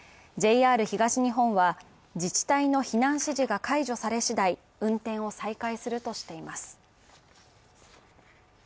ＪＲ東日本は、自治体の避難指示が解除され次第、運転を再開するとしています。